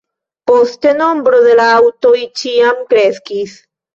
Poste nombro de la aŭtoj ĉiam kreskis.